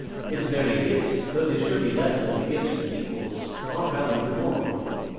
His very gifts, though they should be less than the gifts of equals, are valued more.